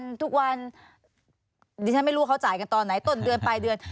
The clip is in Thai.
ทุกวันดิฉันไม่รู้เขาจ่ายกันตอนไหนต้นเดือนปลายเดือน